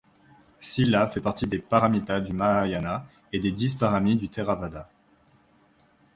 Śīla fait partie des pāramitā du mahayana et des dix pāramī du theravada.